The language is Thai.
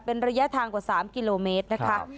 เป็นระยะทางกว่า๓กิโลเมตรนะคะ